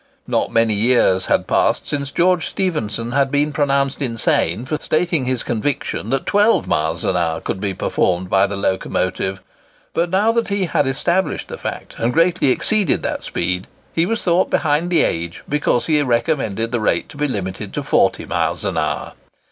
Not many years had passed since George Stephenson had been pronounced insane for stating his conviction that 12 miles an hour could be performed by the locomotive; but now that he had established the fact, and greatly exceeded that speed, he was thought behind the age because he recommended the rate to be limited to 40 miles an hour.